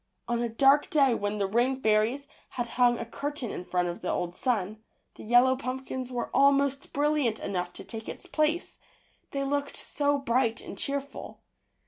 On a dark day when the rain fairies had hung a curtain in front of the old sun, the yellow pumpkins were al most brilliant enough to take its place, — they looked so bright and cheerful.